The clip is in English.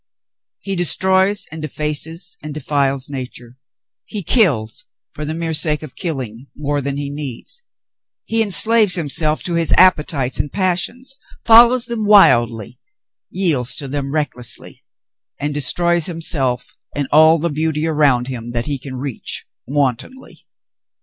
He destroys and defaces and defiles nature ; he kills — for the mere sake of killing — more than he needs ; he enslaves himself to his appetites and passions, follows them wildly, yields to them recklessly ; and destroys himself and all the beauty around him that he can reach, wantonly.